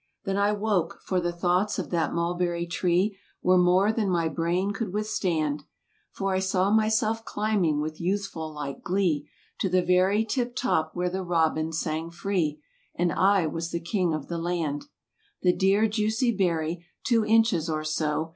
Then I woke, for the thoughts of that mulberry tree Were more than my brain could withstand, . For I saw myself climbing with youthful like glee To the very tip top where the robin sang free. And I was the king of the land. The dear juicy berry! Two inches or so.